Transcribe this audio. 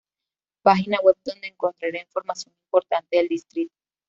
Página web donde encontrara información importante del distrito.